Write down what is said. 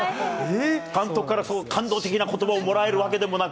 監督から感動的なことばをもらえるわけでもなく。